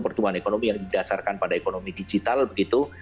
pertumbuhan ekonomi yang didasarkan pada ekonomi digital begitu